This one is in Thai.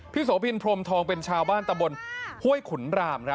โสพินพรมทองเป็นชาวบ้านตะบนห้วยขุนราม